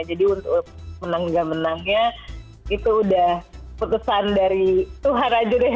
jadi untuk menang gak menangnya itu udah keputusan dari tuhan aja deh